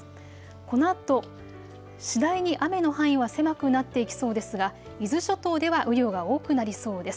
このあと次第に雨の範囲は狭くなっていきそうですが伊豆諸島では雨量が多くなりそうです。